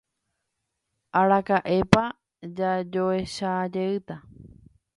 Araka'épa jajoechajeýta.